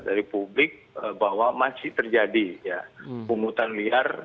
dari publik bahwa masih terjadi pungutan liar